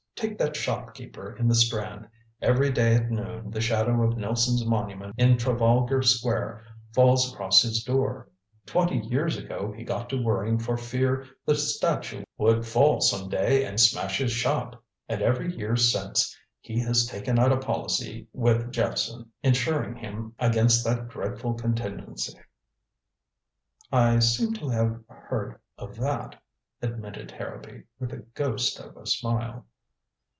Take that shopkeeper in the Strand every day at noon the shadow of Nelson's Monument in Trafalgar Square falls across his door. Twenty years ago he got to worrying for fear the statue would fall some day and smash his shop. And every year since he has taken out a policy with Jephson, insuring him against that dreadful contingency." "I seem to have heard of that," admitted Harrowby, with the ghost of a smile.